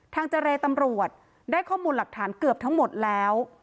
เจรตำรวจได้ข้อมูลหลักฐานเกือบทั้งหมดแล้ว